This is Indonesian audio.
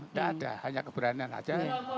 tidak ada hanya keberanian saja